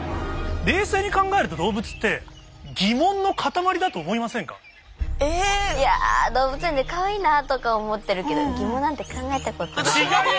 冷静に考えると動物っていやあ動物園でかわいいなとか思ってるけど疑問なんて考えたことない。